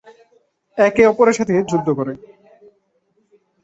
একে অপরের সাথে যুদ্ধ করে।